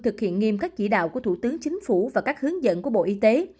thực hiện nghiêm các chỉ đạo của thủ tướng chính phủ và các hướng dẫn của bộ y tế